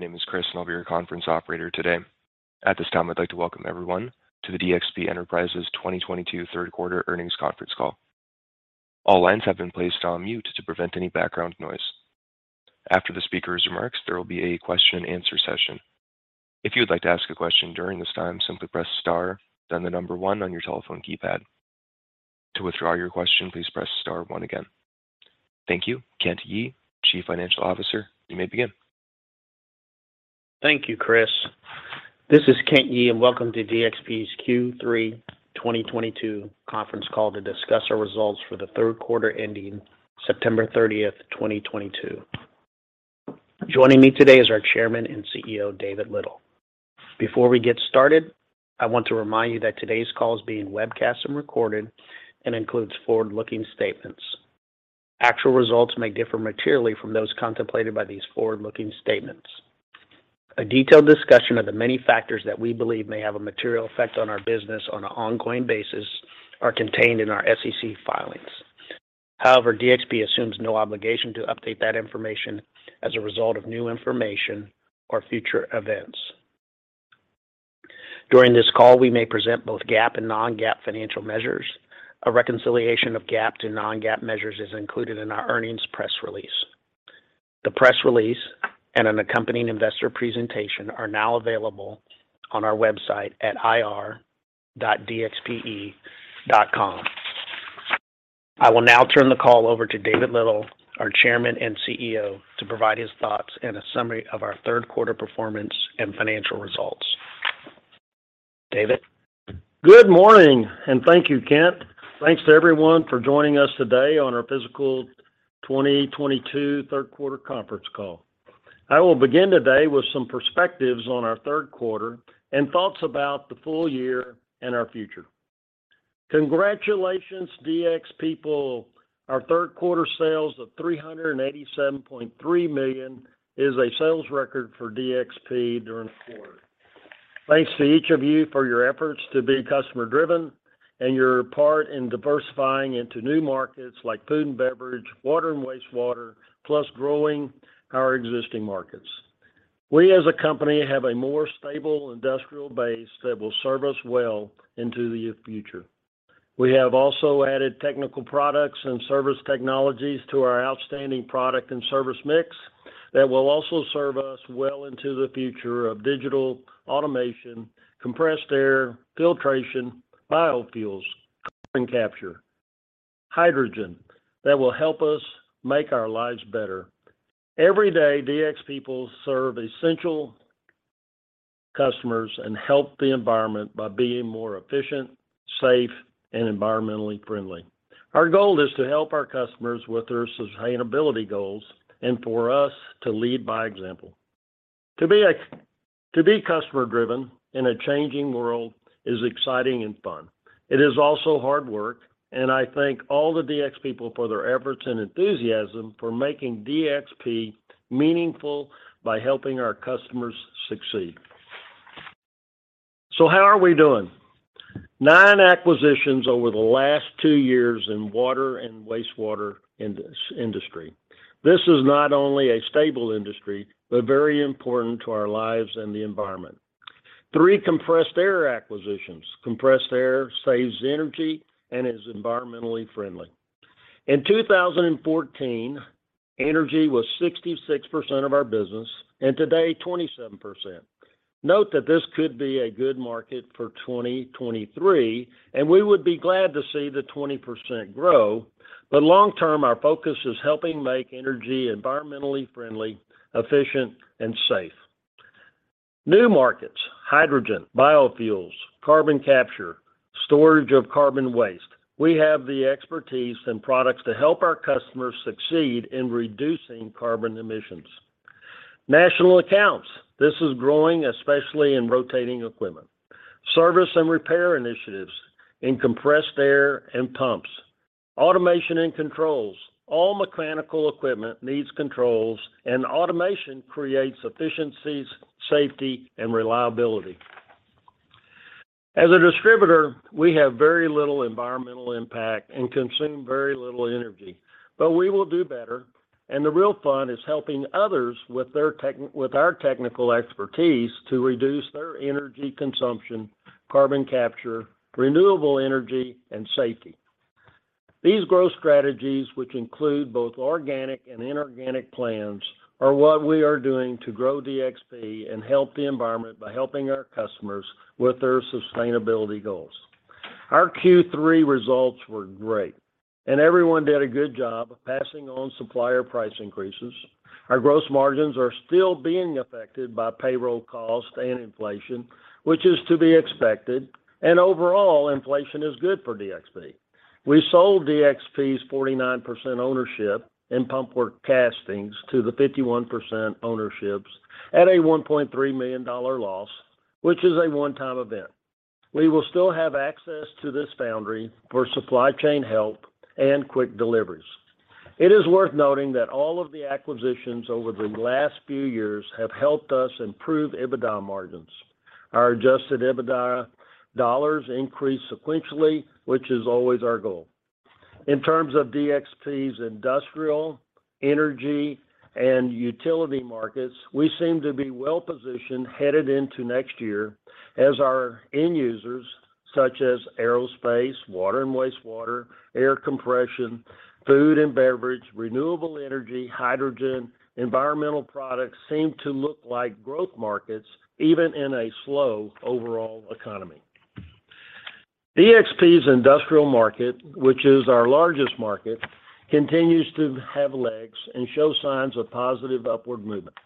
My name is Chris and I'll be your conference operator today. At this time, I'd like to welcome everyone to the DXP Enterprises 2022 Third Quarter Earnings Conference Call. All lines have been placed on mute to prevent any background noise. After the speaker's remarks, there will be a question-and-answer session. If you would like to ask a question during this time, simply press star then the number one on your telephone keypad. To withdraw your question, please press star one again. Thank you. Kent Yee, Chief Financial Officer, you may begin. Thank you, Chris. This is Kent Yee, and welcome to DXP's Q3 2022 conference call to discuss our results for the third quarter ending September 30th, 2022. Joining me today is our Chairman and CEO, David Little. Before we get started, I want to remind you that today's call is being webcast and recorded and includes forward-looking statements. Actual results may differ materially from those contemplated by these forward-looking statements. A detailed discussion of the many factors that we believe may have a material effect on our business on an ongoing basis are contained in our SEC filings. However, DXP assumes no obligation to update that information as a result of new information or future events. During this call, we may present both GAAP and non-GAAP financial measures. A reconciliation of GAAP to non-GAAP measures is included in our earnings press release. The press release and an accompanying investor presentation are now available on our website at ir.dxpe.com. I will now turn the call over to David Little, our Chairman and CEO, to provide his thoughts and a summary of our third quarter performance and financial results. David? Good morning, and thank you, Kent. Thanks to everyone for joining us today on our fiscal 2022 third quarter conference call. I will begin today with some perspectives on our third quarter and thoughts about the full year and our future. Congratulations, DXPeople. Our third quarter sales of $387.3 million is a sales record for DXP during the quarter. Thanks to each of you for your efforts to be customer-driven and your part in diversifying into new markets like food and beverage, water and wastewater, plus growing our existing markets. We as a company have a more stable industrial base that will serve us well into the future. We have also added technical products and service technologies to our outstanding product and service mix that will also serve us well into the future of digital automation, compressed air, filtration, biofuels, carbon capture, hydrogen that will help us make our lives better. Every day, DXPeople serve essential customers and help the environment by being more efficient, safe, and environmentally friendly. Our goal is to help our customers with their sustainability goals and for us to lead by example. to be customer-driven in a changing world is exciting and fun. It is also hard work, and I thank all the DXPeople for their efforts and enthusiasm for making DXP meaningful by helping our customers succeed. How are we doing? Nine acquisitions over the last two years in water and wastewater industry. This is not only a stable industry, but very important to our lives and the environment. Three compressed air acquisitions. Compressed air saves energy and is environmentally friendly. In 2014, energy was 66% of our business, and today, 27%. Note that this could be a good market for 2023, and we would be glad to see the 20% grow. Long term, our focus is helping make energy environmentally friendly, efficient and safe. New markets, hydrogen, biofuels, carbon capture, storage of carbon waste. We have the expertise and products to help our customers succeed in reducing carbon emissions. National accounts, this is growing especially in rotating equipment. Service and repair initiatives in compressed air and pumps. Automation and controls. All mechanical equipment needs controls, and automation creates efficiencies, safety, and reliability. As a distributor, we have very little environmental impact and consume very little energy, but we will do better. The real fun is helping others with our technical expertise to reduce their energy consumption, carbon capture, renewable energy and safety. These growth strategies, which include both organic and inorganic plans, are what we are doing to grow DXP and help the environment by helping our customers with their sustainability goals. Our Q3 results were great, and everyone did a good job of passing on supplier price increases. Our gross margins are still being affected by payroll costs and inflation, which is to be expected, and overall, inflation is good for DXP. We sold DXP's 49% ownership in PumpWorks Castings to the 51% ownerships at a $1.3 million loss, which is a one-time event. We will still have access to this foundry for supply chain help and quick deliveries. It is worth noting that all of the acquisitions over the last few years have helped us improve EBITDA margins. Our adjusted EBITDA dollars increased sequentially, which is always our goal. In terms of DXP's industrial, energy, and utility markets, we seem to be well-positioned headed into next year as our end users, such as aerospace, water and wastewater, air compression, food and beverage, renewable energy, hydrogen, environmental products seem to look like growth markets even in a slow overall economy. DXP's industrial market, which is our largest market, continues to have legs and show signs of positive upward movement.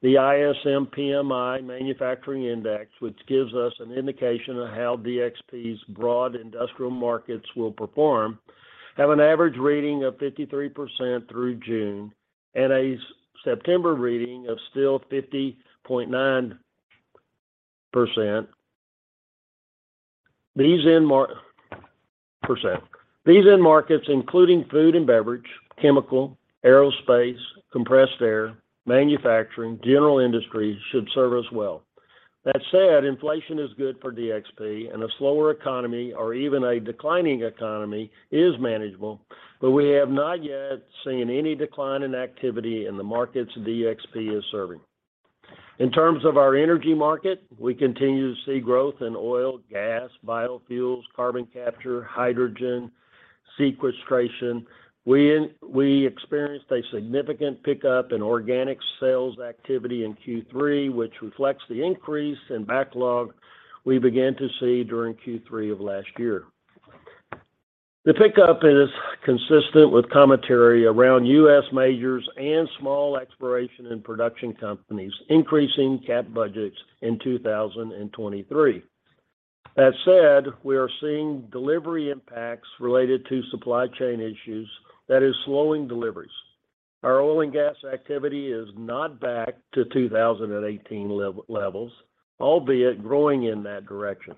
The ISM PMI Manufacturing Index, which gives us an indication of how DXP's broad industrial markets will perform, have an average reading of 53% through June and a September reading of still 50.9%. These end markets, including food and beverage, chemical, aerospace, compressed air, manufacturing, general industry should serve us well. That said, inflation is good for DXP, and a slower economy or even a declining economy is manageable, but we have not yet seen any decline in activity in the markets DXP is serving. In terms of our energy market, we continue to see growth in oil, gas, biofuels, carbon capture, hydrogen sequestration. We experienced a significant pickup in organic sales activity in Q3, which reflects the increase in backlog we began to see during Q3 of last year. The pickup is consistent with commentary around U.S. majors and small exploration and production companies increasing Cap budgets in 2023. That said, we are seeing delivery impacts related to supply chain issues that is slowing deliveries. Our oil and gas activity is not back to 2018-levels, albeit growing in that direction.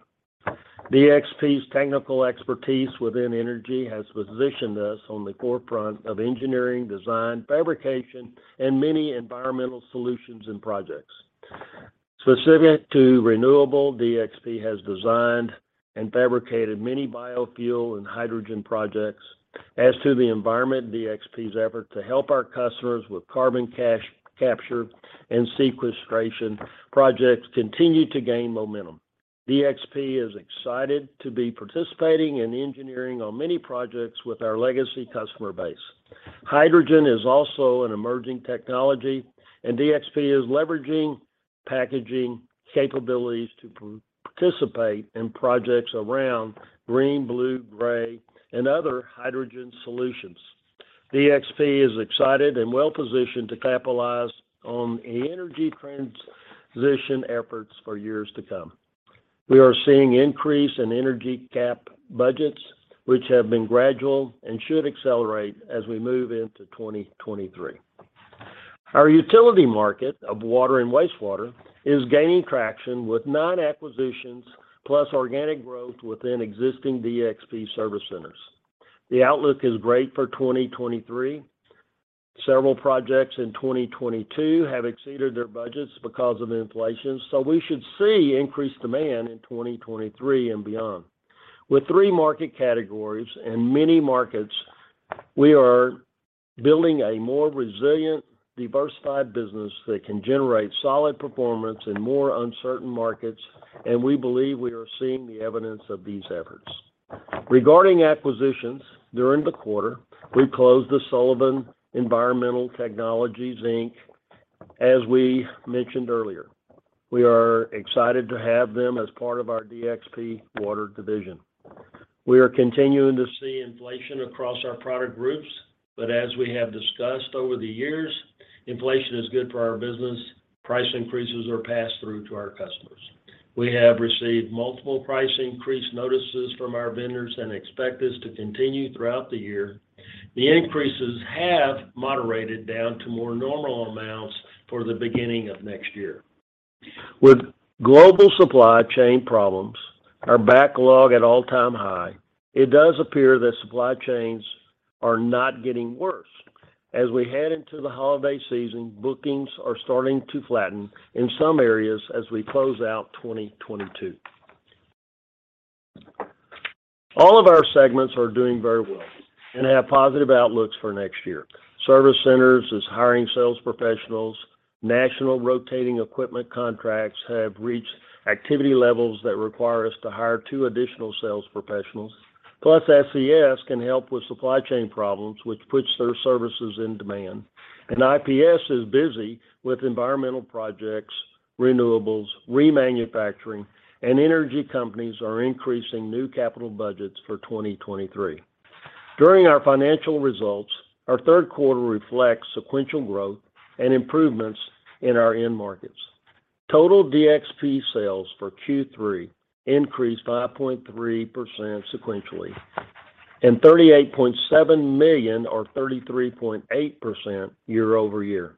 DXP's technical expertise within energy has positioned us on the forefront of engineering, design, fabrication, and many environmental solutions and projects. Specific to renewable, DXP has designed and fabricated many biofuel and hydrogen projects. As to the environment, DXP's effort to help our customers with carbon capture and sequestration projects continue to gain momentum. DXP is excited to be participating in engineering on many projects with our legacy customer base. Hydrogen is also an emerging technology, and DXP is leveraging packaging capabilities to participate in projects around green, blue, gray, and other hydrogen solutions. DXP is excited and well-positioned to capitalize on energy transition efforts for years to come. We are seeing increase in energy Cap budgets, which have been gradual and should accelerate as we move into 2023. Our utility market of water and wastewater is gaining traction with nine acquisitions plus organic growth within existing Service Centers. the outlook is great for 2023. Several projects in 2022 have exceeded their budgets because of inflation, so we should see increased demand in 2023 and beyond. With three market categories and many markets, we are building a more resilient, diversified business that can generate solid performance in more uncertain markets, and we believe we are seeing the evidence of these efforts. Regarding acquisitions during the quarter, we closed the Sullivan Environmental Technologies, Inc. As we mentioned earlier, we are excited to have them as part of our DXP Water division. We are continuing to see inflation across our product groups, but as we have discussed over the years, inflation is good for our business. Price increases are passed through to our customers. We have received multiple price increase notices from our vendors and expect this to continue throughout the year. The increases have moderated down to more normal amounts for the beginning of next year. With global supply chain problems, our backlog at all-time high, it does appear that supply chains are not getting worse. As we head into the holiday season, bookings are starting to flatten in some areas as we close out 2022. All of our segments are doing very well and have positive outlooks for next year. Service Centers is hiring sales professionals. National rotating equipment contracts have reached activity levels that require us to hire two additional sales professionals. Plus, SCS can help with supply chain problems which puts their services in demand. IPS is busy with environmental projects, renewables, remanufacturing, and energy companies are increasing new capital budgets for 2023. During our financial results, our third quarter reflects sequential growth and improvements in our end markets. Total DXP sales for Q3 increased 5.3% sequentially and $38.7 million or 33.8% year-over-year.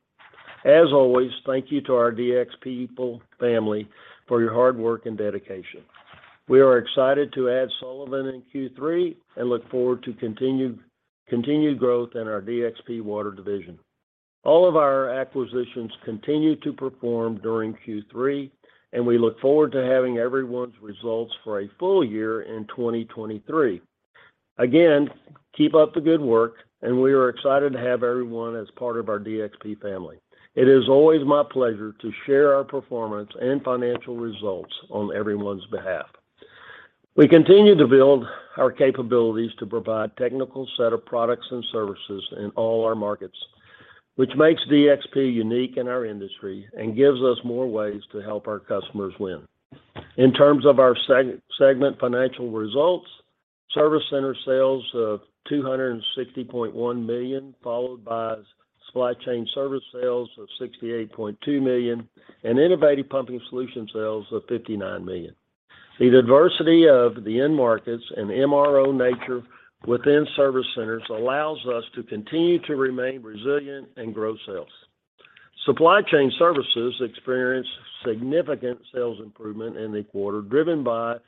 As always, thank you to our DXPeople family for your hard work and dedication. We are excited to add Sullivan in Q3 and look forward to continued growth in our DXP Water division. All of our acquisitions continued to perform during Q3, and we look forward to having everyone's results for a full year in 2023. Again, keep up the good work, and we are excited to have everyone as part of our DXP family. It is always my pleasure to share our performance and financial results on everyone's behalf. We continue to build our capabilities to provide technical set of products and services in all our markets, which makes DXP unique in our industry and gives us more ways to help our customers win. In terms of our segment financial Service Centers sales of $260.1 million, followed by Supply Chain Services sales of $68.2 million, and Innovative Pumping Solutions sales of $59 million. The diversity of the end markets and MRO nature Service Centers allows us to continue to remain resilient and grow sales. Supply Chain Services experienced significant sales improvement in the quarter, driven by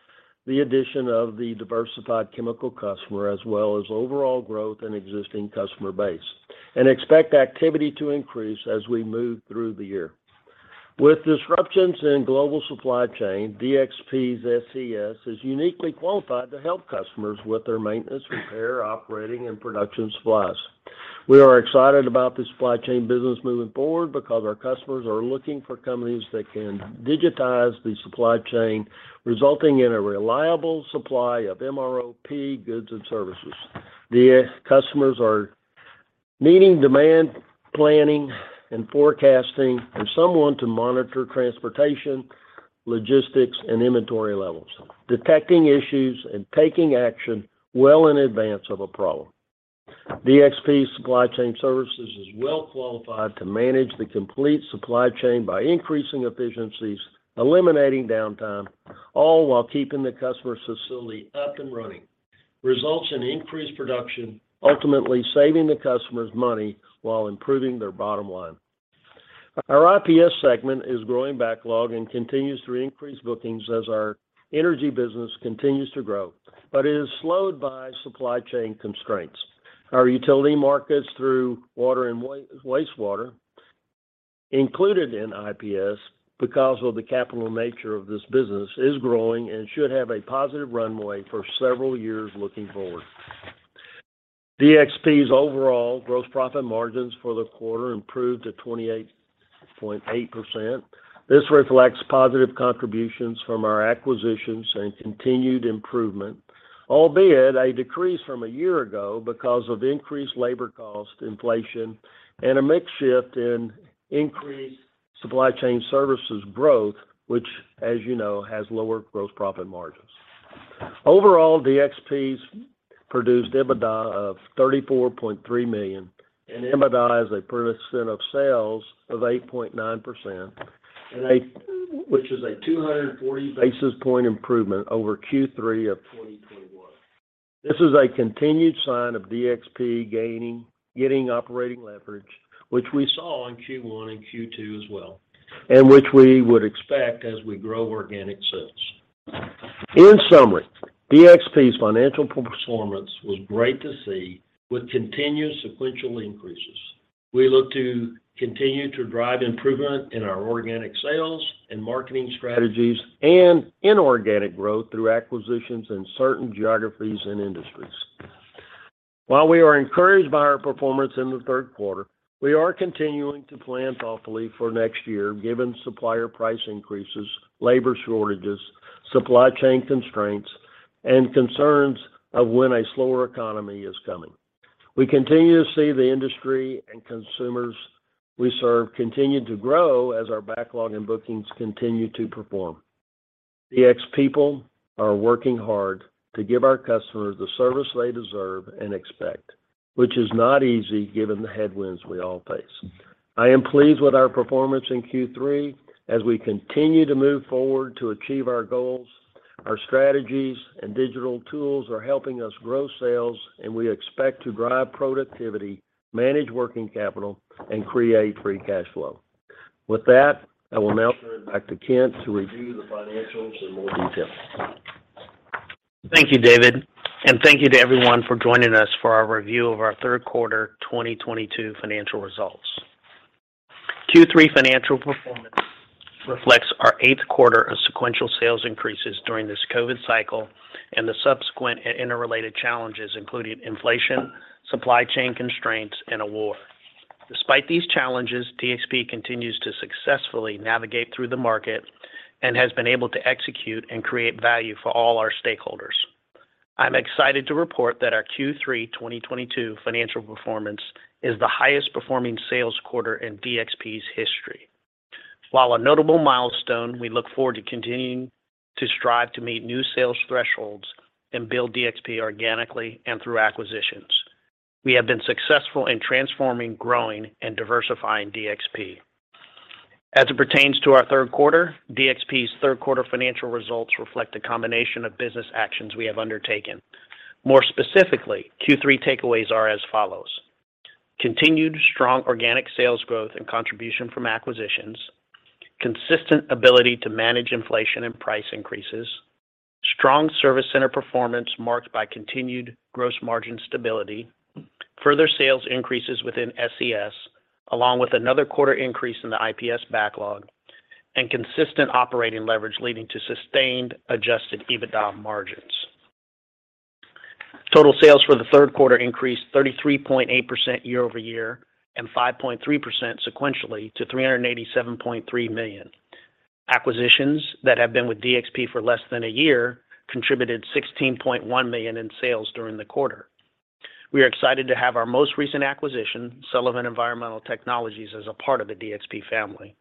the addition of the diversified chemical customer, as well as overall growth in existing customer base, and expect activity to increase as we move through the year. With disruptions in global supply chain, DXP's SCS is uniquely qualified to help customers with their maintenance, repair, operating, and production supplies. We are excited about the supply chain business moving forward because our customers are looking for companies that can digitize the supply chain, resulting in a reliable supply of MROP goods and services. The customers are needing demand planning and forecasting and someone to monitor transportation, logistics, and inventory levels, detecting issues and taking action well in advance of a problem. DXP Supply Chain Services is well-qualified to manage the complete supply chain by increasing efficiencies, eliminating downtime, all while keeping the customer's facility up and running. Results in increased production, ultimately saving the customers' money while improving their bottom line. Our IPS segment is growing backlog and continues to increase bookings as our energy business continues to grow but is slowed by supply chain constraints. Our utility markets through water and wastewater, included in IPS because of the capital nature of this business, is growing and should have a positive runway for several years looking forward. DXP's overall gross profit margins for the quarter improved to 28.8%. This reflects positive contributions from our acquisitions and continued improvement, albeit a decrease from a year ago because of increased labor cost, inflation, and a mix shift in increased supply chain services growth, which, as you know, has lower gross profit margins. Overall, DXP produced EBITDA of $34.3 million, and EBITDA as a percent of sales of 8.9%, which is a 240 basis point improvement over Q3 of 2021. This is a continued sign of DXP getting operating leverage, which we saw in Q1 and Q2 as well, and which we would expect as we grow organic sales. In summary, DXP's financial performance was great to see with continuous sequential increases. We look to continue to drive improvement in our organic sales and marketing strategies and inorganic growth through acquisitions in certain geographies and industries. While we are encouraged by our performance in the third quarter, we are continuing to plan thoughtfully for next year, given supplier price increases, labor shortages, supply chain constraints, and concerns of when a slower economy is coming. We continue to see the industry and consumers we serve continue to grow as our backlog and bookings continue to perform. DXPeople are working hard to give our customers the service they deserve and expect, which is not easy given the headwinds we all face. I am pleased with our performance in Q3 as we continue to move forward to achieve our goals. Our strategies and digital tools are helping us grow sales, and we expect to drive productivity, manage working capital, and create free cash flow. With that, I will now turn it back to Kent to review the financials in more detail. Thank you, David, and thank you to everyone for joining us for our review of our third quarter 2022 financial results. Q3 financial performance reflects our eighth quarter of sequential sales increases during this COVID cycle and the subsequent and interrelated challenges, including inflation, supply chain constraints, and a war. Despite these challenges, DXP continues to successfully navigate through the market and has been able to execute and create value for all our stakeholders. I'm excited to report that our Q3 2022 financial performance is the highest performing sales quarter in DXP's history. While a notable milestone, we look forward to continuing to strive to meet new sales thresholds and build DXP organically and through acquisitions. We have been successful in transforming, growing, and diversifying DXP. As it pertains to our third quarter, DXP's third quarter financial results reflect a combination of business actions we have undertaken. More specifically, Q3 takeaways are as follows. Continued strong organic sales growth and contribution from acquisitions. Consistent ability to manage inflation and price Service Centers performance marked by continued gross margin stability, further sales increases within SCS, along with another quarter increase in the IPS backlog and consistent operating leverage leading to sustained adjusted EBITDA margins. Total sales for the third quarter increased 33.8% year-over-year and 5.3% sequentially to $387.3 million. Acquisitions that have been with DXP for less than a year contributed $16.1 million in sales during the quarter. We are excited to have our most recent acquisition, Sullivan Environmental Technologies, as a part of the DXP family.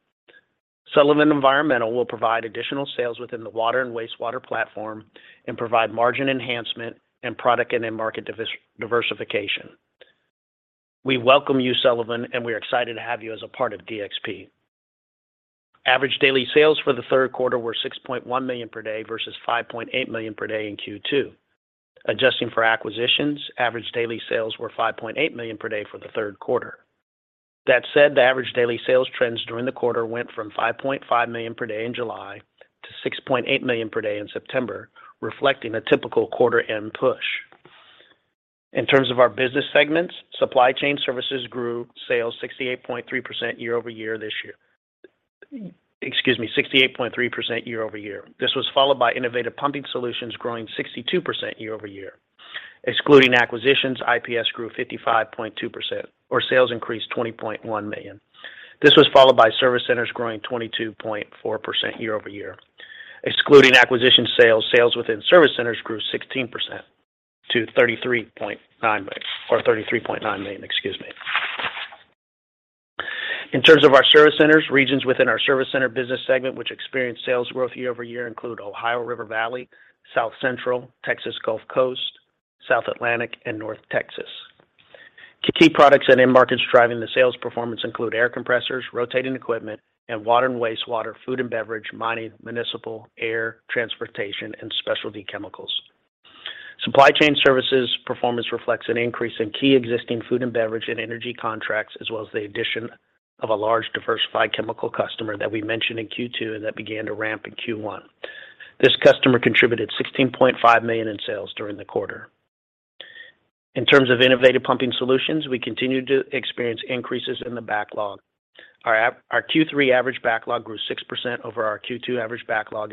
Sullivan Environmental will provide additional sales within the water and wastewater platform and provide margin enhancement and product and end-market diversification. We welcome you, Sullivan, and we're excited to have you as a part of DXP. Average daily sales for the third quarter were $6.1 million per day versus $5.8 million per day in Q2. Adjusting for acquisitions, average daily sales were $5.8 million per day for the third quarter. That said, the average daily sales trends during the quarter went from $5.5 million per day in July to $6.8 million per day in September, reflecting a typical quarter-end push. In terms of our business segments, Supply Chain Services grew sales 68.3% year-over-year this year. Excuse me, 68.3% year-over-year. This was followed by Innovative Pumping Solutions growing 62% year-over-year. Excluding acquisitions, IPS grew 55.2%, or sales increased $20.1 million. This was followed Service Centers growing 22.4% year-over-year. Excluding acquisition sales Service Centers grew 16% to $33.9 million, excuse me. In terms of Service Centers, regions within Service Centers business segment, which experienced sales growth year-over-year include Ohio River Valley, South Central, Texas Gulf Coast, South Atlantic, and North Texas. Key products and end markets driving the sales performance include air compressors, rotating equipment, and water and wastewater, food and beverage, mining, municipal, air, transportation, and specialty chemicals. Supply Chain Services performance reflects an increase in key existing food and beverage and energy contracts, as well as the addition of a large diversified chemical customer that we mentioned in Q2 and that began to ramp in Q1. This customer contributed $16.5 million in sales during the quarter. In terms of Innovative Pumping Solutions, we continued to experience increases in the backlog. Our Q3 average backlog grew 6% over our Q2 average backlog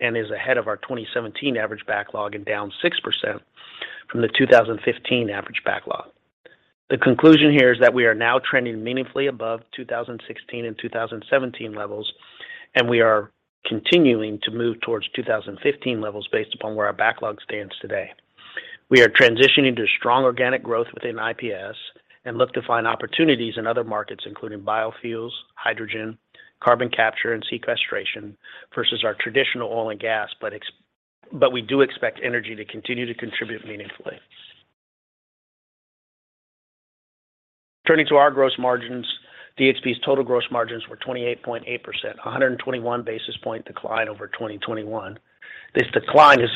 and is ahead of our 2017 average backlog and down 6% from the 2015 average backlog. The conclusion here is that we are now trending meaningfully above 2016 and 2017-levels, and we are continuing to move towards 2015-levels based upon where our backlog stands today. We are transitioning to strong organic growth within IPS and look to find opportunities in other markets, including biofuels, hydrogen, carbon capture, and sequestration versus our traditional oil and gas, but we do expect energy to continue to contribute meaningfully. Turning to our gross margins, DXP's total gross margins were 28.8%, 121 basis point decline over 2021. This decline is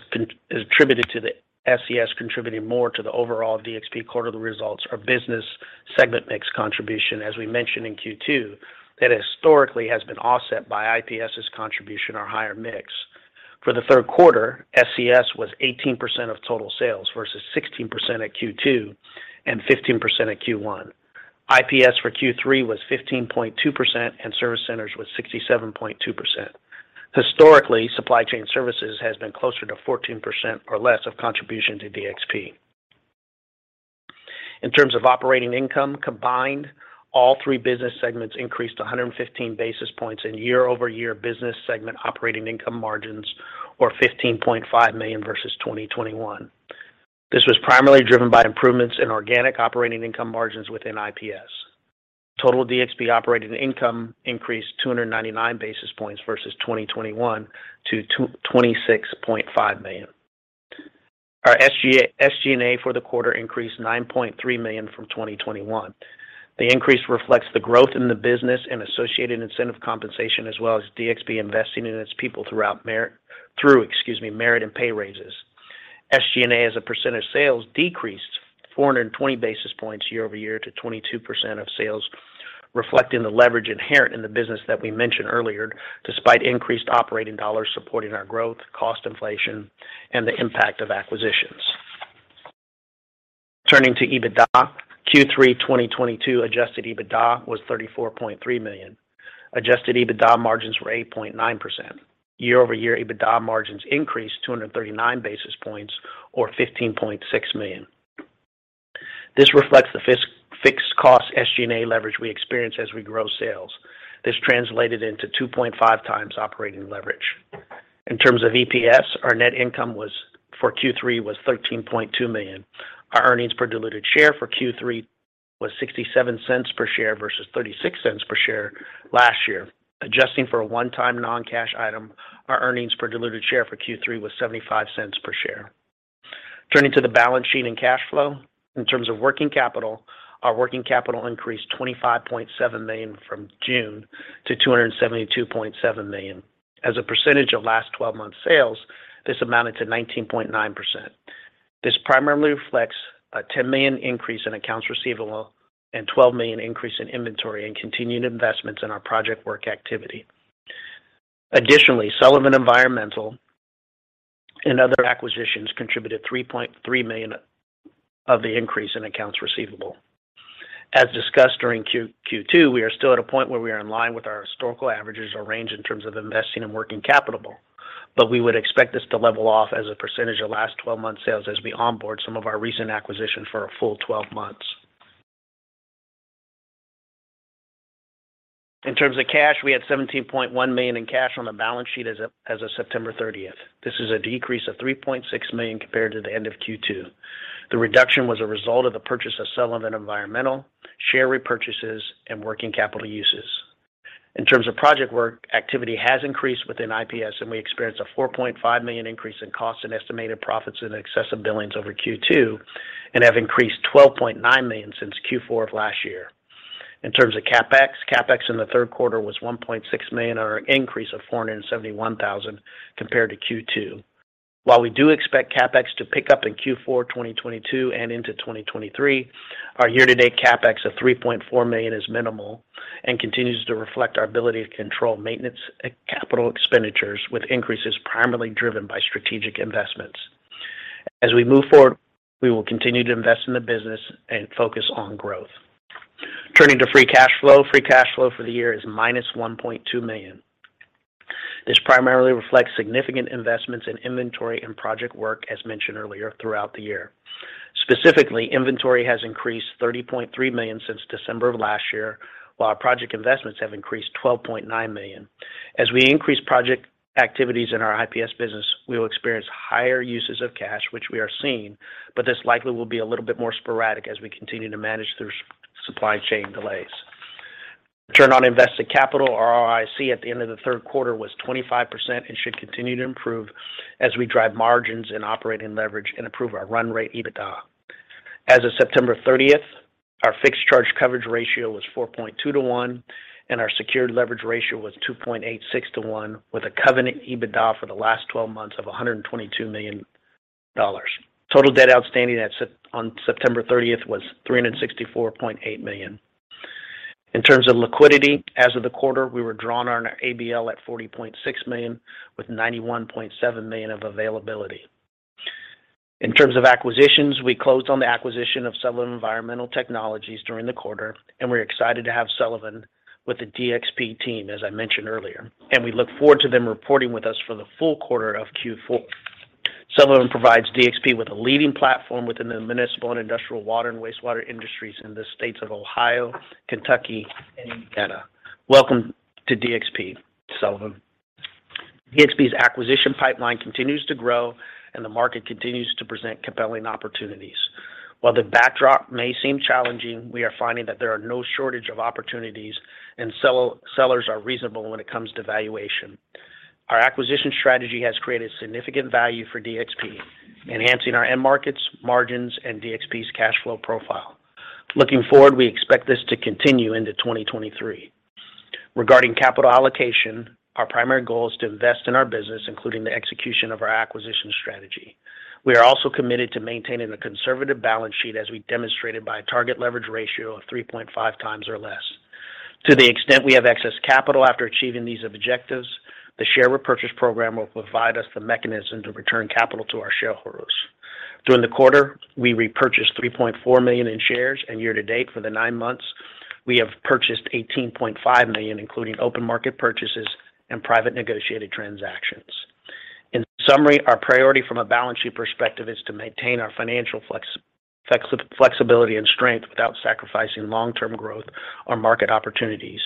attributed to the SCS contributing more to the overall DXP quarterly results or business segment mix contribution, as we mentioned in Q2, that historically has been offset by IPS's contribution or higher mix. For the third quarter, SCS was 18% of total sales versus 16% at Q2 and 15% at Q1. IPS for Q3 was 15.2%, Service Centers was 67.2%. Historically, Supply Chain Services has been closer to 14% or less of contribution to DXP. In terms of operating income, combined, all three business segments increased 115 basis points in year-over-year business segment operating income margins or $15.5 million versus 2021. This was primarily driven by improvements in organic operating income margins within IPS. Total DXP operating income increased 299 basis points versus 2021 to $26.5 million. Our SG&A for the quarter increased $9.3 million from 2021. The increase reflects the growth in the business and associated incentive compensation, as well as DXP investing in its people through merit and pay raises. SG&A as a percent of sales decreased 420 basis points year-over-year to 22% of sales, reflecting the leverage inherent in the business that we mentioned earlier, despite increased operating dollars supporting our growth, cost inflation, and the impact of acquisitions. Turning to EBITDA, Q3 2022 adjusted EBITDA was $34.3 million. Adjusted EBITDA margins were 8.9%. Year-over-year, EBITDA margins increased 239 basis points or $15.6 million. This reflects the fixed cost SG&A leverage we experience as we grow sales. This translated into 2.5x operating leverage. In terms of EPS, our net income for Q3 was $13.2 million. Our earnings per diluted share for Q3 was $0.67 per share versus $0.36 per share last year. Adjusting for a one-time non-cash item, our earnings per diluted share for Q3 was $0.75 per share. Turning to the balance sheet and cash flow. In terms of working capital, our working capital increased $25.7 million from June to $272.7 million. As a percentage of last 12 months sales, this amounted to 19.9%. This primarily reflects a $10 million increase in accounts receivable and $12 million increase in inventory and continued investments in our project work activity. Additionally, Sullivan Environmental and other acquisitions contributed $3.3 million of the increase in accounts receivable. As discussed during Q2, we are still at a point where we are in line with our historical averages or range in terms of investing and working capital. We would expect this to level-off as a percentage of last 12 months sales as we onboard some of our recent acquisitions for a full 12 months. In terms of cash, we had $17.1 million in cash on the balance sheet as of September 30th. This is a decrease of $3.6 million compared to the end of Q2. The reduction was a result of the purchase of Sullivan Environmental, share repurchases, and working capital uses. In terms of project work, activity has increased within IPS, and we experienced a $4.5 million increase in costs and estimated profits in excess of billings over Q2 and have increased $12.9 million since Q4 of last year. In terms of CapEx, CapEx in the third quarter was $1.6 million, or an increase of $471,000 compared to Q2. While we do expect CapEx to pick up in Q4 2022 and into 2023, our year-to-date CapEx of $3.4 million is minimal and continues to reflect our ability to control maintenance and capital expenditures with increases primarily driven by strategic investments. As we move forward, we will continue to invest in the business and focus on growth. Turning to free cash flow. Free cash flow for the year is -$1.2 million. This primarily reflects significant investments in inventory and project work, as mentioned earlier, throughout the year. Specifically, inventory has increased $30.3 million since December of last year, while our project investments have increased $12.9 million. As we increase project activities in our IPS business, we will experience higher uses of cash, which we are seeing, but this likely will be a little bit more sporadic as we continue to manage through supply chain delays. Return on invested capital or ROIC at the end of the third quarter was 25% and should continue to improve as we drive margins and operating leverage and improve our run rate EBITDA. As of September 30th, our fixed charge coverage ratio was 4.2:1, and our secured leverage ratio was 2.86:1, with a covenant EBITDA for the last 12 months of $122 million. Total debt outstanding on September 30th was $364.8 million. In terms of liquidity, as of the quarter, we were drawn on our ABL at $40.6 million, with $91.7 million of availability. In terms of acquisitions, we closed on the acquisition of Sullivan Environmental Technologies during the quarter, and we're excited to have Sullivan with the DXP team, as I mentioned earlier, and we look forward to them reporting with us for the full quarter of Q4. Sullivan provides DXP with a leading platform within the municipal and industrial water and wastewater industries in the states of Ohio, Kentucky, and Indiana. Welcome to DXP, Sullivan. DXP's acquisition pipeline continues to grow, and the market continues to present compelling opportunities. While the backdrop may seem challenging, we are finding that there are no shortage of opportunities, and sellers are reasonable when it comes to valuation. Our acquisition strategy has created significant value for DXP, enhancing our end markets, margins, and DXP's cash flow profile. Looking forward, we expect this to continue into 2023. Regarding capital allocation, our primary goal is to invest in our business, including the execution of our acquisition strategy. We are also committed to maintaining a conservative balance sheet as we demonstrated by a target leverage ratio of 3.5x or less. To the extent we have excess capital after achieving these objectives, the share repurchase program will provide us the mechanism to return capital to our shareholders. During the quarter, we repurchased $3.4 million in shares, and year to date for the nine months, we have purchased $18.5 million, including open market purchases and private negotiated transactions. In summary, our priority from a balance sheet perspective is to maintain our financial flexibility and strength without sacrificing long-term growth or market opportunities.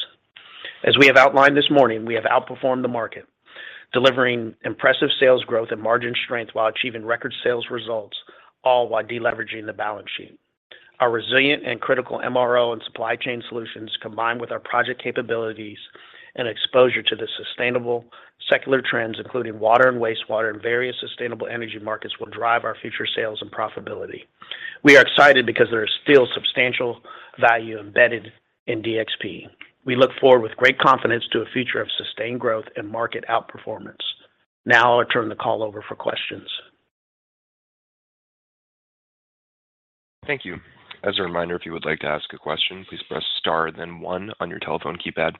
As we have outlined this morning, we have outperformed the market, delivering impressive sales growth and margin strength while achieving record sales results, all while de-leveraging the balance sheet. Our resilient and critical MRO and supply chain solutions, combined with our project capabilities and exposure to the sustainable secular trends, including water and wastewater and various sustainable energy markets, will drive our future sales and profitability. We are excited because there is still substantial value embedded in DXP. We look forward with great confidence to a future of sustained growth and market outperformance. Now I'll turn the call over for questions. Thank you. As a reminder, if you would like to ask a question, please press star then one on your telephone keypad.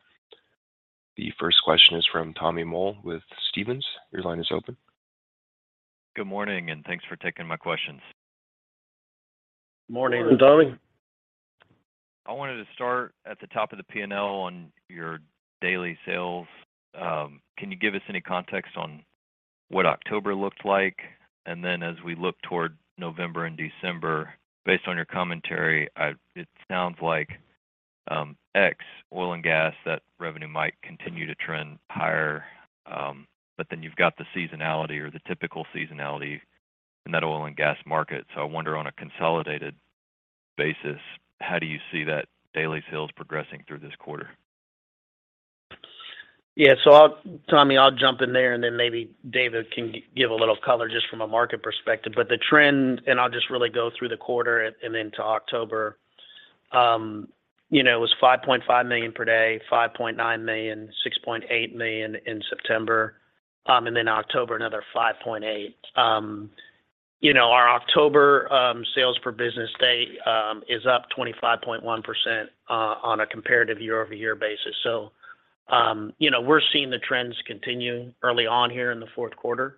The first question is from Tommy Moll with Stephens. Your line is open. Good morning, and thanks for taking my questions. Morning, Tommy. I wanted to start at the top of the P&L on your daily sales. Can you give us any context on what October looked like? As we look toward November and December, based on your commentary, it sounds like, ex oil and gas, that revenue might continue to trend higher. You've got the seasonality or the typical seasonality in that oil and gas market. I wonder, on a consolidated basis, how do you see that daily sales progressing through this quarter? Yeah. I'll jump in there, Tommy, and then maybe David can give a little color just from a market perspective. The trend, and I'll just really go through the quarter and then to October, you know, it was $5.5 million per day, $5.9 million, $6.8 million in September, and then October, another $5.8 million. You know, our October sales per business day is up 25.1% on a comparative year-over-year basis. You know, we're seeing the trends continue early on here in the fourth quarter.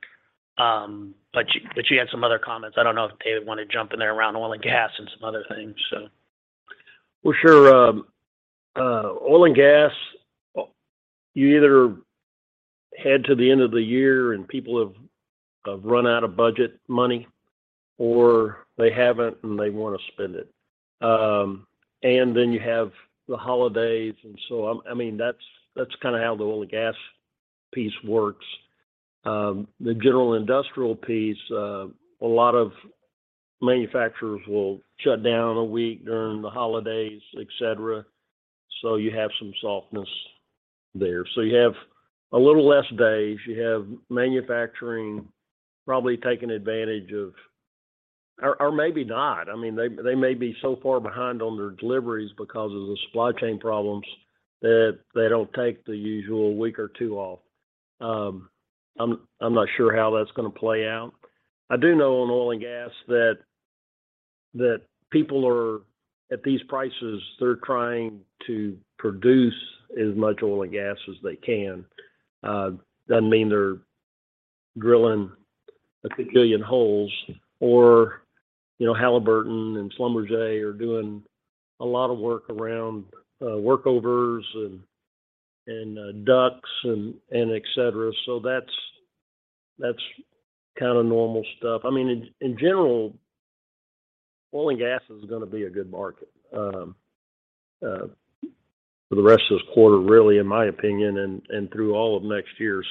But you had some other comments. I don't know if David wanted to jump in there around oil and gas and some other things, so. Well, sure. Oil and gas, you either head to the end of the year and people have run out of budget money, or they haven't, and they want to spend it. Then you have the holidays, and so, I mean, that's kind of how the oil and gas piece works. The general industrial piece, a lot of manufacturers will shut down a week during the holidays, etc. You have some softness there. You have a little less days. You have manufacturing probably taking advantage of or maybe not. I mean, they may be so far behind on their deliveries because of the supply chain problems that they don't take the usual week or two off. I'm not sure how that's gonna play out. I do know on oil and gas that people are, at these prices, they're trying to produce as much oil and gas as they can. Doesn't mean they're drilling a kajillion holes or, you know, Halliburton and Schlumberger are doing a lot of work around workovers and ducts and etc. That's kind of normal stuff. I mean, in general, oil and gas is gonna be a good market for the rest of this quarter, really, in my opinion, and through all of next year.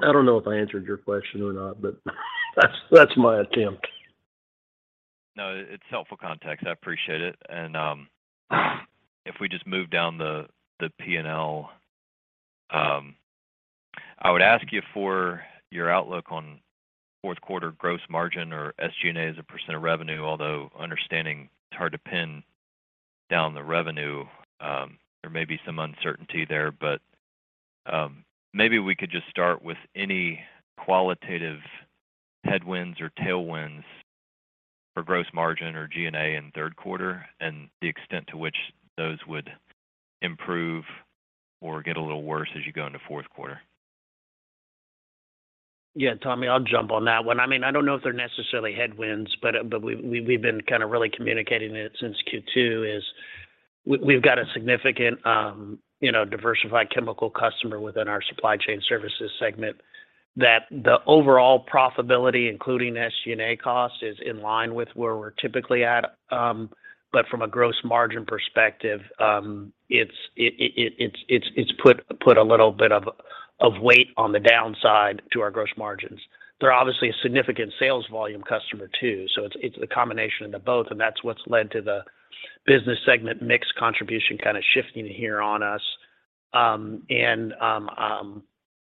I don't know if I answered your question or not, but that's my attempt. No, it's helpful context. I appreciate it. If we just move down the P&L, I would ask you for your outlook on fourth quarter gross margin or SG&A as a percent of revenue, although understanding it's hard to pin down the revenue, there may be some uncertainty there. Maybe we could just start with any qualitative headwinds or tailwinds for gross margin or G&A in third quarter, and the extent to which those would improve or get a little worse as you go into fourth quarter. Yeah, Tommy, I'll jump on that one. I mean, I don't know if they're necessarily headwinds, but we've been kind of really communicating it since Q2. We've got a significant, you know, diversified chemical customer within our Supply Chain Services segment that the overall profitability, including SG&A cost, is in line with where we're typically at. But from a gross margin perspective, it's put a little bit of weight on the downside to our gross margins. They're obviously a significant sales volume customer too, so it's a combination of the both, and that's what's led to the business segment mix contribution kind of shifting here on us.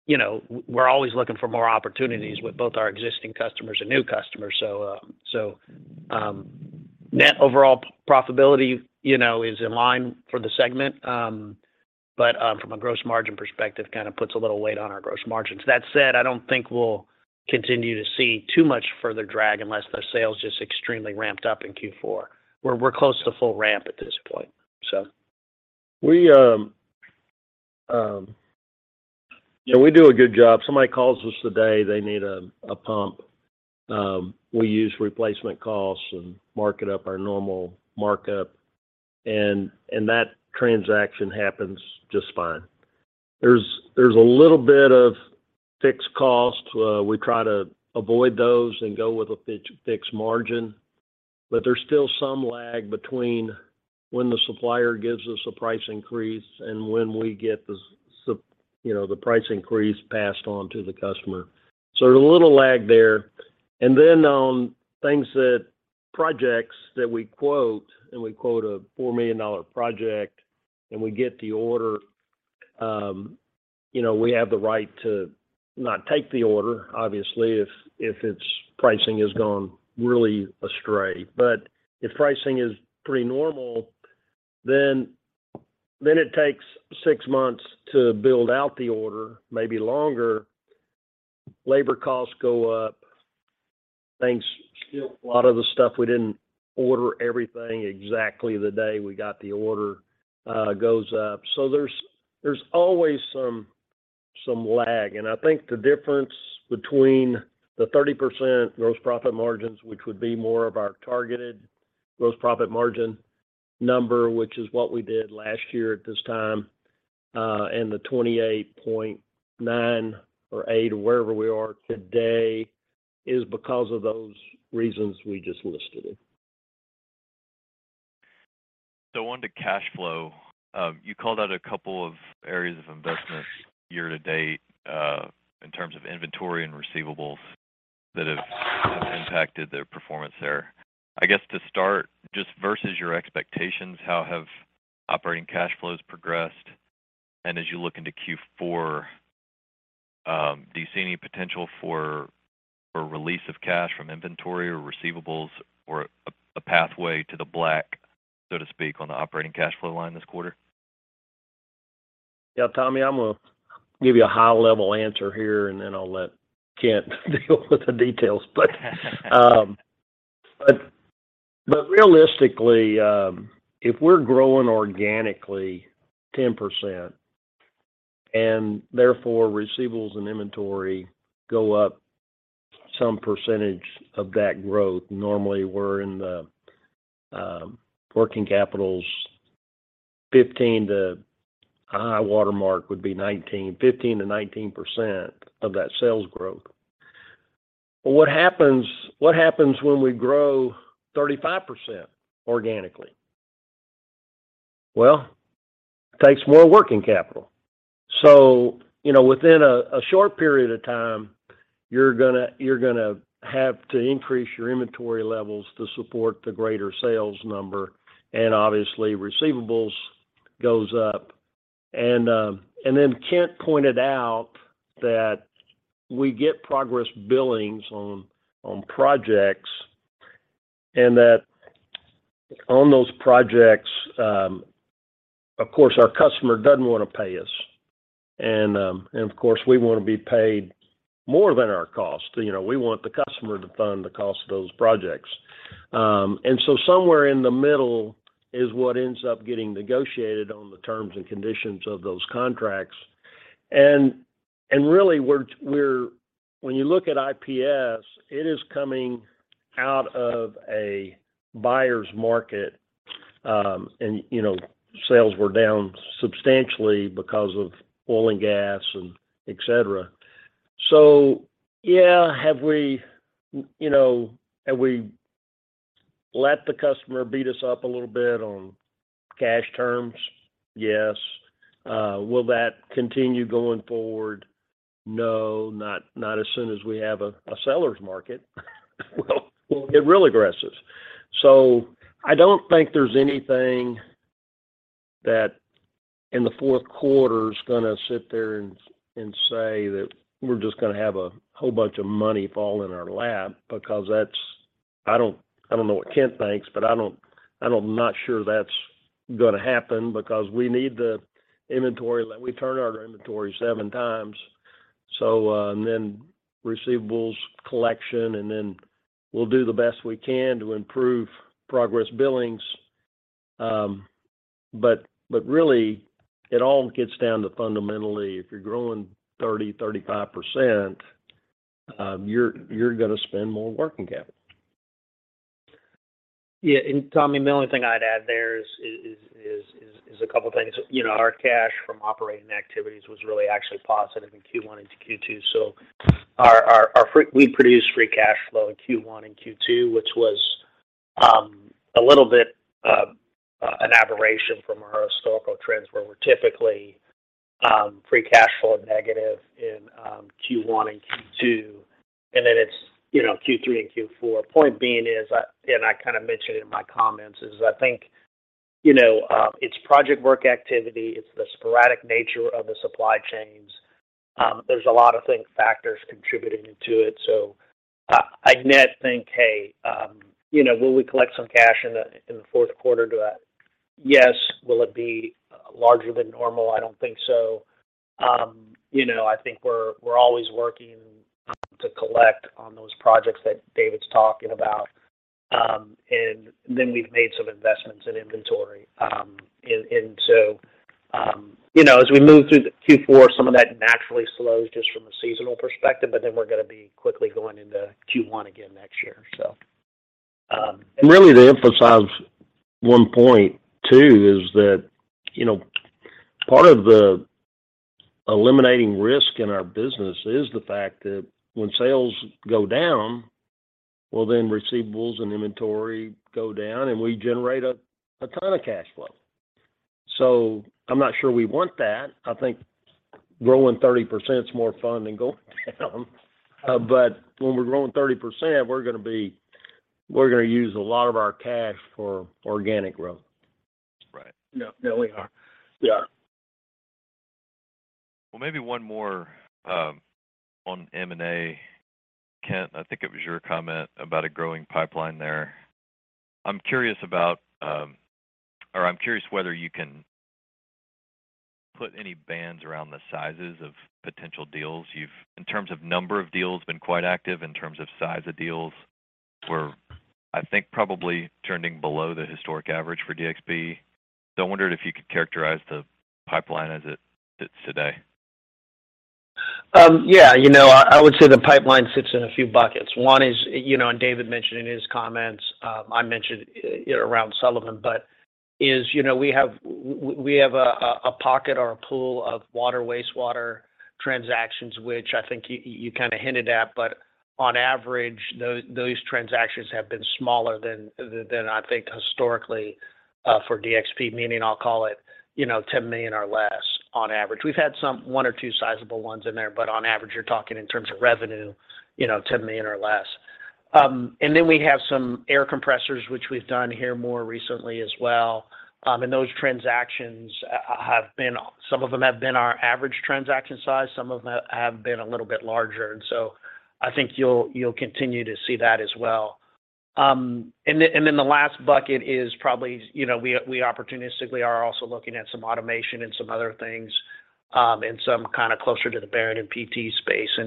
You know, we're always looking for more opportunities with both our existing customers and new customers. Net overall profitability, you know, is in line for the segment, but from a gross margin perspective, kind of puts a little weight on our gross margins. That said, I don't think we'll continue to see too much further drag unless their sales just extremely ramped up in Q4, where we're close to full-ramp at this point. Yeah, we do a good job. Somebody calls us today, they need a pump, we use replacement costs and mark it up our normal markup, and that transaction happens just fine. There's a little bit of fixed costs. We try to avoid those and go with a fixed margin. There's still some lag between when the supplier gives us a price increase and when we get you know, the price increase passed on to the customer. There's a little lag there. On projects that we quote, and we quote a $4 million project, and we get the order, you know, we have the right to not take the order, obviously, if its pricing has gone really astray. If pricing is pretty normal, then it takes six months to build out the order, maybe longer. Labor costs go up. Things, you know, a lot of the stuff we didn't order everything exactly the day we got the order, goes up. There's always some lag. I think the difference between the 30% gross profit margins, which would be more of our targeted gross profit margin number, which is what we did last year at this time, and the 28.9% or 28.8% or wherever we are today, is because of those reasons we just listed. On to cash flow. You called out a couple of areas of investment year to date in terms of inventory and receivables that have impacted the performance there. I guess to start, just versus your expectations, how have operating cash flows progressed? As you look into Q4, do you see any potential for release of cash from inventory or receivables or a pathway to the black, so to speak, on the operating cash flow line this quarter? Yeah, Tommy, I'm gonna give you a high-level answer here, and then I'll let Kent deal with the details. Realistically, if we're growing organically 10% and therefore receivables and inventory go up some percentage of that growth, normally we're in the working capital's 15% to a high watermark would be 19%, 15%-19% of that sales growth. What happens when we grow 35% organically? Well, it takes more working capital. You know, within a short period of time, you're gonna have to increase your inventory levels to support the greater sales number, and obviously receivables goes up. Then Kent pointed out that we get progress billings on projects, and that on those projects, of course, our customer doesn't wanna pay us. Of course, we wanna be paid more than our cost. You know, we want the customer to fund the cost of those projects. Somewhere in the middle is what ends up getting negotiated on the terms and conditions of those contracts. When you look at IPS, it is coming out of a buyer's market. You know, sales were down substantially because of oil and gas and etc. Yeah, have we, you know, have we let the customer beat us up a little bit on cash terms? Yes. Will that continue going forward? No, not as soon as we have a seller's market. We'll get real aggressive. I don't think there's anything that in the fourth quarter is gonna sit there and say that we're just gonna have a whole bunch of money fall in our lap because that's I don't know what Kent thinks, but I don't, I'm not sure that's gonna happen because we need the inventory. We turn our inventory 7x. And then receivables collection, and then we'll do the best we can to improve progress billings. But really, it all gets down to fundamentally, if you're growing 30%-35%, you're gonna spend more working capital. Yeah. Tommy, the only thing I'd add there is a couple of things. You know, our cash from operating activities was really actually positive in Q1 into Q2. We produced free cash flow in Q1 and Q2, which was a little bit an aberration from our historical trends, where we're typically free cash flow negative in Q1 and Q2, and then it's you know Q3 and Q4. Point being is I kind of mentioned it in my comments is I think you know it's project work activity, it's the sporadic nature of the supply chains. There's a lot of things factors contributing to it. So in net I think hey you know will we collect some cash in the fourth quarter too? That? Yes. Will it be larger than normal? I don't think so. You know, I think we're always working to collect on those projects that David's talking about. We've made some investments in inventory. You know, as we move through the Q4, some of that naturally slows just from a seasonal perspective, but then we're gonna be quickly going into Q1 again next year. Really to emphasize one point too is that, you know, part of the eliminating risk in our business is the fact that when sales go down, well, then receivables and inventory go down, and we generate a ton of cash flow. I'm not sure we want that. I think growing 30% is more fun than going down. When we're growing 30%, we're gonna use a lot of our cash for organic growth. Right. Yeah, we are. Well, maybe one more on M&A. Kent, I think it was your comment about a growing pipeline there. I'm curious whether you can put any bands around the sizes of potential deals. You've, in terms of number of deals, been quite active. In terms of size of deals, we're, I think, probably trending below the historic average for DXP. I wondered if you could characterize the pipeline as it sits today. Yeah. You know, I would say the pipeline sits in a few buckets. One is, you know. David mentioned in his comments. I mentioned, you know, around Sullivan, but, you know, we have a pocket or a pool of water, wastewater transactions, which I think you kinda hinted at. On average, those transactions have been smaller than I think historically for DXP, meaning I'll call it, you know, $10 million or less on average. We've had some one or two sizable ones in there, but on average, you're talking in terms of revenue, you know, $10 million or less, and then we have some air compressors, which we've done here more recently as well. Those transactions have been. Some of them have been our average transaction size, some of them have been a little bit larger. I think you'll continue to see that as well. The last bucket is probably, you know, we opportunistically are also looking at some automation and some other things, and some kinda closer to the Bearings and PT space.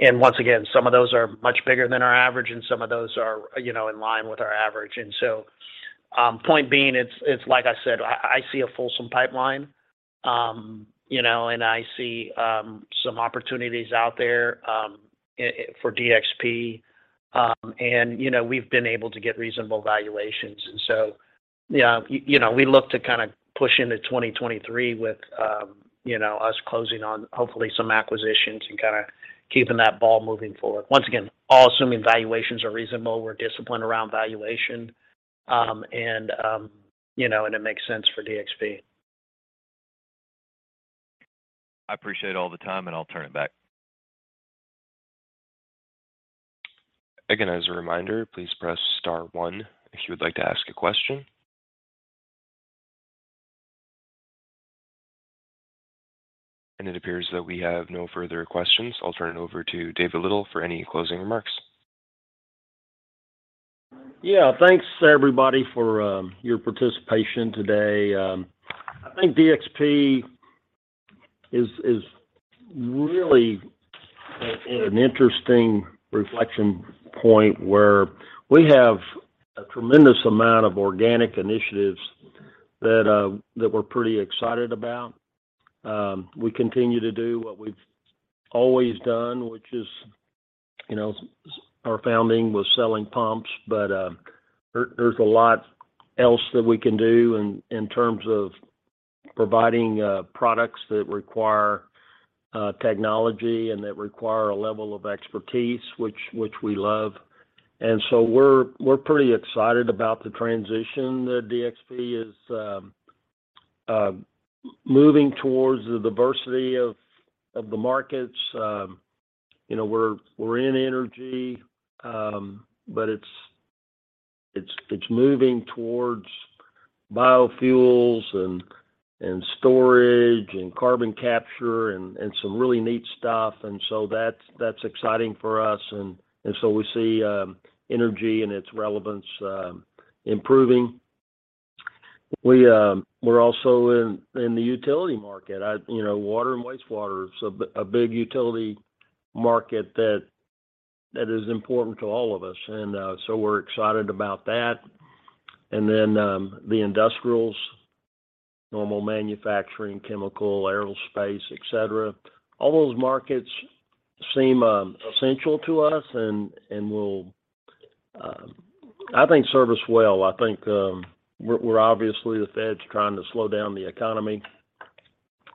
Once again, some of those are much bigger than our average, and some of those are, you know, in line with our average. Point being, it's like I said, I see a fulsome pipeline, you know, and I see some opportunities out there for DXP. You know, we've been able to get reasonable valuations. Yeah, you know, we look to kinda push into 2023 with, you know, us closing on hopefully some acquisitions and kinda keeping that ball moving forward. Once again, all assuming valuations are reasonable, we're disciplined around valuation, and, you know, it makes sense for DXP. I appreciate all the time, and I'll turn it back. Again, as a reminder, please press star one if you would like to ask a question. It appears that we have no further questions. I'll turn it over to David Little for any closing remarks. Yeah. Thanks everybody for your participation today. I think DXP is really at an interesting reflection point where we have a tremendous amount of organic initiatives that we're pretty excited about. We continue to do what we've always done, which is, you know, our founding was selling pumps, but there's a lot else that we can do in terms of providing products that require technology and that require a level of expertise, which we love. We're pretty excited about the transition that DXP is moving towards the diversity of the markets. You know, we're in energy, but it's moving towards biofuels and storage, and carbon capture and some really neat stuff. That's exciting for us. We see energy and its relevance improving. We're also in the utility market. You know, water and wastewater is a big utility market that is important to all of us, and we're excited about that. The industrials, normal manufacturing, chemical, aerospace, et cetera, all those markets seem essential to us and will, I think, serve us well. I think, we're obviously the Fed's trying to slow down the economy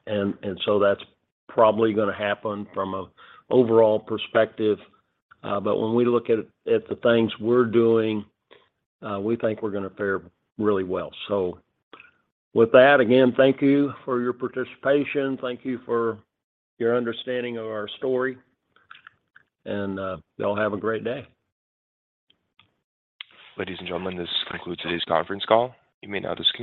and that's probably gonna happen from an overall perspective. When we look at the things we're doing, we think we're gonna fare really well. With that, again, thank you for your participation. Thank you for your understanding of our story, and y'all have a great day. Ladies and gentlemen, this concludes today's conference call. You may now disconnect.